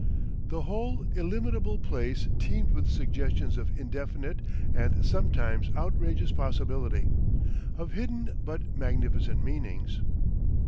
The whole illimitable place teemed with suggestions of indefinite and sometimes outrageous possibility, of hidden but magnificent meanings.